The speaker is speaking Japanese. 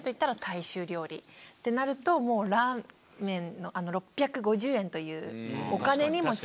ってなるともうラーメンの６５０円というお金にも近づける。